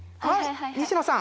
西野さん。